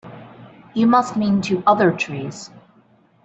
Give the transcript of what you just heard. You must mean two other trees.